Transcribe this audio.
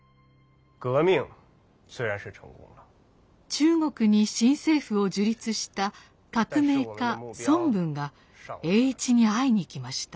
中国に新政府を樹立した革命家孫文が栄一に会いに来ました。